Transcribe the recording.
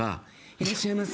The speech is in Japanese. いらっしゃいませ。